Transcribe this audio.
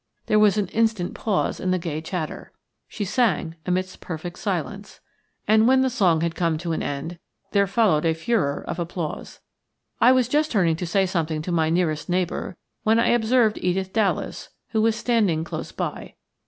There was an instant pause in the gay chatter. She sang amidst perfect silence, and when the song had come to an end there followed a furore of applause. I was just turning to say something to my nearest neighbour when I observed Edith Dallas, who was standing close by.